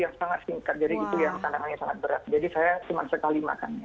jadi saya cuma sekali makan dalam suhati